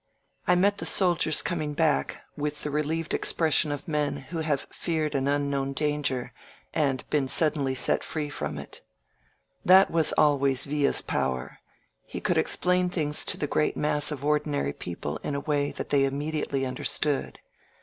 I met the soldiers coming back, with the reUeved ex pression of men who have feared an unknown danger and been suddenly set free from it. That was always Villa's power — ^he could explain things to the great mass of ordinary people in a way that they im mediately understood.